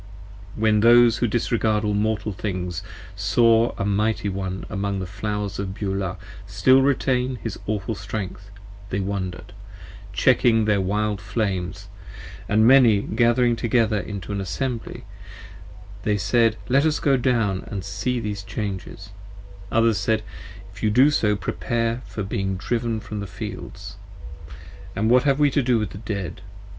p. 55 WHEN those who disregard all Mortal Things, saw a Mighty One Among the Flowers of Beulah still retain his awful strength, They wonder'd, checking their wild flames, & Many gathering Together into an Assembly, they said, let us go down 5 And see these changes; Others said, If you do so, prepare For being driven from our fields: what have we to do with the Dead?